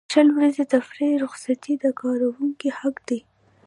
شل ورځې تفریحي رخصتۍ د کارکوونکي حق دی.